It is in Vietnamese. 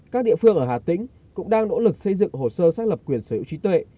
các địa phương ở hà tĩnh cũng đang nỗ lực xây dựng hồ sơ xác lập quyền sở hữu trí tuệ